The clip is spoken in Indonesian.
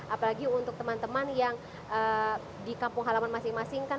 apalagi untuk teman teman yang di kampung halaman masing masing kan